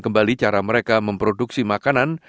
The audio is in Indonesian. kembali cara mereka memproduksi makanan